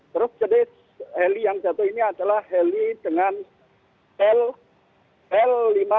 terus jadi heli yang jatuh ini adalah heli dengan l lima ribu tujuh puluh tiga